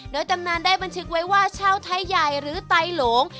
โดยตำนานได้บันทึกไว้ว่าชาวไทยใหญ่หรือไตโหลง